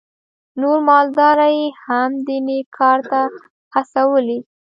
نور مالداره یې هم دې نېک کار ته هڅولي.